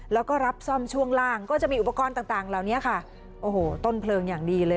แล้วก็รับซ่อมช่วงล่างก็จะมีอุปกรณ์ต่างต่างเหล่านี้ค่ะโอ้โหต้นเพลิงอย่างดีเลย